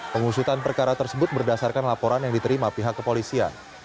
pengusutan perkara tersebut berdasarkan laporan yang diterima pihak kepolisian